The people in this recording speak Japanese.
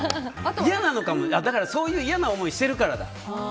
そういう嫌な思いをしてるからだ。